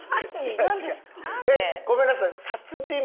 えっごめんなさい。